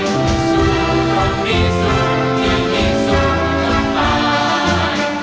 สู้ต้องดีสุดที่มีสู้กับตาย